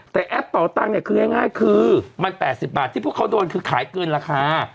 แต่แอปเป่าตังเนี่ยคือง่ายคือมัน๘๐บาทที่พวกเขาโดนคือขายเกินราคา